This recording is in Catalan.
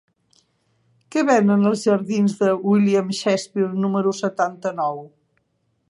Què venen als jardins de William Shakespeare número setanta-nou?